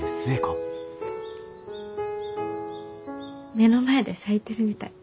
目の前で咲いてるみたい。